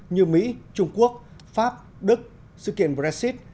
như mỹ trung quốc pháp đức sự kiện brexit